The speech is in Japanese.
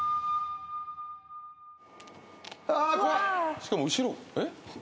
「しかも後ろえっ？」